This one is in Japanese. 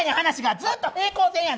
ずっと平行線やねん！